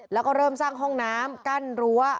แล้วก็เริ่มสร้างห้องน้ำกั้นรั้ว